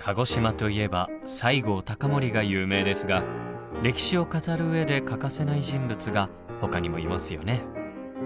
鹿児島といえば西郷隆盛が有名ですが歴史を語る上で欠かせない人物がほかにもいますよね。